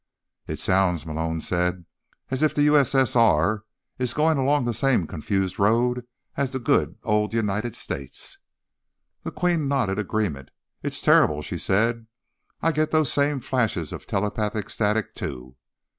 "It sounds," Malone said, "as if the USSR is going along the same confused road as the good old United States." The Queen nodded agreement. "It's terrible," she said. "I get those same flashes of telepathic static, too."